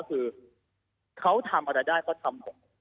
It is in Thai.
คือเขาทำอะไรได้ก็ทำหมด